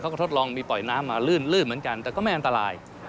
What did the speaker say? ก็ทดลองมีปล่อยน้ำมาลื่นลื่นเหมือนกันแต่ก็ไม่อันตราย